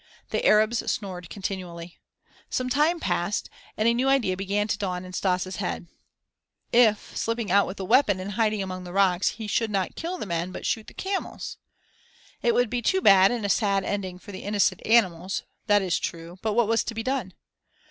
The Arabs snored continually. Some time passed and a new idea began to dawn in Stas' head. If, slipping out with the weapon and hiding among the rocks, he should kill not the men but shoot the camels? It would be too bad and a sad ending for the innocent animals; that is true, but what was to be done?